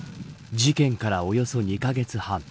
事件からおよそ２カ月半